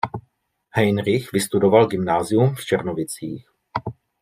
Heinrich vystudoval gymnázium v Černovicích.